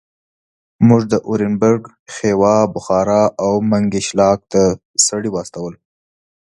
موږ اورینبرګ، خیوا، بخارا او منګیشلاک ته سړي واستول.